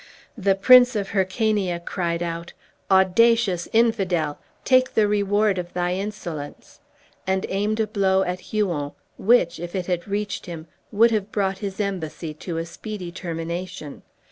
The Prince of Hyrcania cried out, "Audacious infidel! take the reward of thy insolence!" and aimed a blow at Huon, which, if it had reached him, would have brought his embassy to a speedy termination.